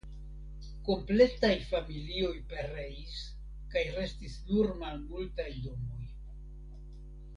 Kompletaj familioj pereis kaj restis nur malmultaj domoj.